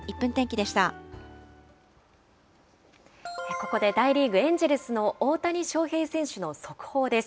ここで大リーグ・エンジェルスの大谷翔平選手の速報です。